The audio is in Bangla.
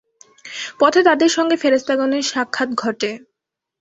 পথে তাঁদের সঙ্গে ফেরেশতাগণের সাক্ষাৎ ঘটে।